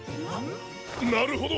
なるほど！